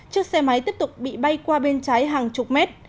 chiếc xe máy tiếp tục bị bay qua bên trái hàng chục mét